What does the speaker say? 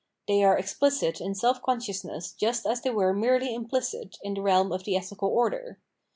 They are explicit in self consciousness just as they were merely implicit in the realm of the ethical order.